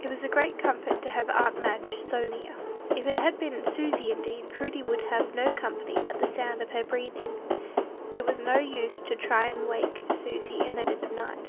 It was a great comfort to have aunt Madge so near. If it had been Susy instead, Prudy would have had no company but the sound of her breathing. It was of no use to try to wake Susy in the dead of night.